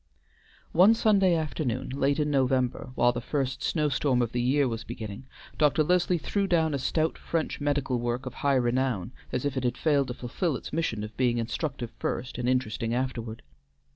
One Sunday afternoon, late in November, while the first snow storm of the year was beginning, Dr. Leslie threw down a stout French medical work of high renown as if it had failed to fulfil its mission of being instructive first and interesting afterward.